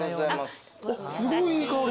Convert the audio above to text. すごいいい香り。